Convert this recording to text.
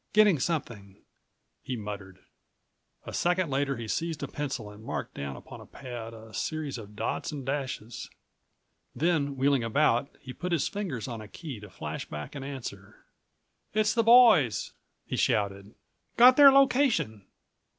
Getting something," he muttered. A second later he seized a pencil and marked down upon a pad a series of dots and dashes. Then, wheeling about, he put his fingers on a key to flash back an answer. "It's the boys," he shouted. "Got their location.